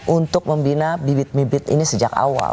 untuk membina bibit bibit ini sejak awal